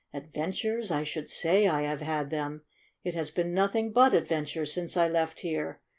"Adventures? I should say I have had them ! It has been nothing but adventures since I left here."